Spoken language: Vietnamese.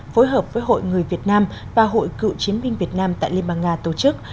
phối hợp với hội người việt nam và hội cựu chiến binh việt nam tại liên bang nga tổ chức